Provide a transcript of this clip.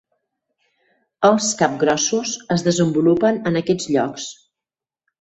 Els capgrossos es desenvolupen en aquests llocs.